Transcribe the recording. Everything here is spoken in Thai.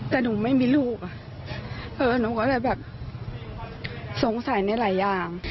แต่หนูไม่มีลูกหนูก็แบบสงสัยในหลายอย่าง